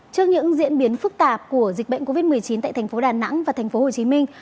trước những diễn biến phức tạp của dịch bệnh covid một mươi chín tại thành phố đà nẵng và thành phố hồ chí minh